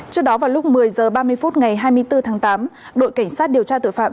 trước đó vào lúc một mươi h ba mươi phút ngày hai mươi bốn tháng tám đội cảnh sát điều tra tội phạm